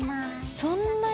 そんなに？